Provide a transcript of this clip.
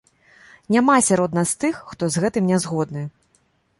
Няма сярод нас тых, хто з гэтым нязгодны!